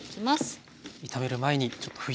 炒める前にちょっと拭いていきます。